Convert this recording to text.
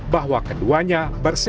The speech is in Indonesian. bahwa keduanya bersifat